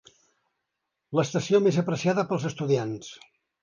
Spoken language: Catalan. L'estació més apreciada pels estudiants.